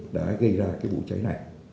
đã gây ra cái vụ cháy này